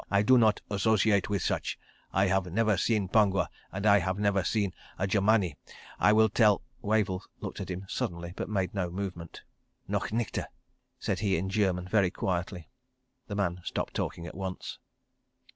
I do not associate with such. I have never seen Pongwa, and I have never seen a Germani. I will tell ..." Wavell looked at him suddenly, but made no movement. "Noch nichte!" said he in German, very quietly. The man stopped talking at once.